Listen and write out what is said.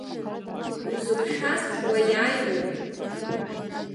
Узықәшәаз уаиааироуп.